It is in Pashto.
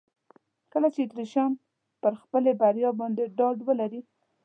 کله چې اتریشیان پر خپلې بریا باندې ډاډ ولري.